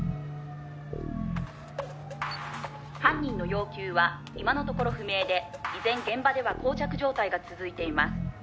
「犯人の要求は今のところ不明で依然現場では膠着状態が続いています」